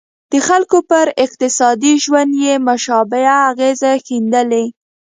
د خلکو پر اقتصادي ژوند یې مشابه اغېزې ښندلې.